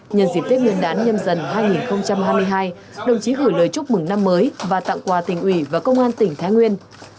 nhân dịp tết nguyên đán nhâm dần hai nghìn hai mươi hai đồng chí gửi lời chúc mừng năm mới và tặng quà tỉnh ủy và công an tỉnh thái nguyên